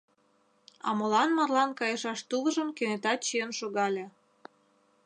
А молан марлан кайышаш тувыржым кенета чиен шогале?